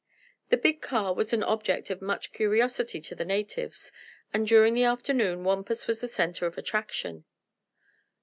The big car was an object of much curiosity to the natives, and during the afternoon Wampus was the center of attraction.